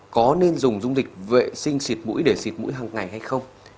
có nên dùng dung dịch vệ sinh xịt mũi để xịt mũi hằng ngày hay không